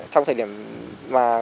trong thời điểm mà